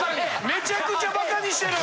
めちゃくちゃバカにしてる。